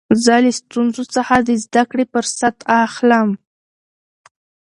زه له ستونزو څخه د زدکړي فرصت اخلم.